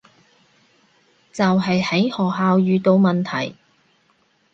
就係喺學校遇到問題